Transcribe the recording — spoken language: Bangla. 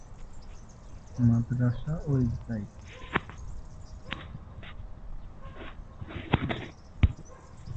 মাদরাসা ওয়েবসাইট